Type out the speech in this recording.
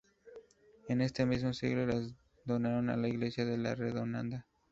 En este mismo siglo las donaron a la iglesia de La Redonda.